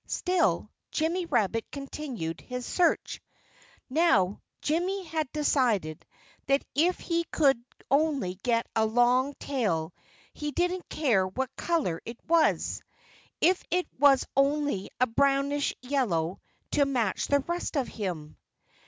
Still, Jimmy Rabbit continued his search. Now, Jimmy had decided that if he could only get a long tail he didn't care what color it was, if it was only a brownish yellow, to match the rest of him.